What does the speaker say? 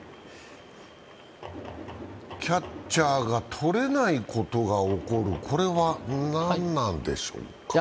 キャッチャーがとれないことが起こる、これは何なんでしょうか？